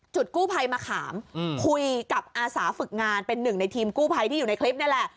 กู้ภัยมะขามคุยกับอาสาฝึกงานเป็นหนึ่งในทีมกู้ภัยที่อยู่ในคลิปนี่แหละ